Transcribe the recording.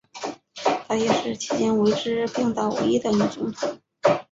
她也是迄今为止冰岛唯一的女总统。